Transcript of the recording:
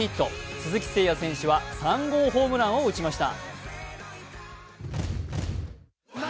鈴木誠也選手は３号ホームランを打ちました。